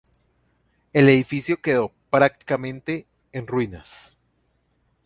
El edificio quedó prácticamente en ruinas.